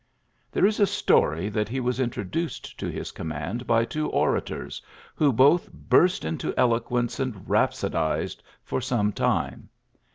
There is a story that he was intro duced to his command by two orators, who both burst into eloquence and rhap sodised for some time.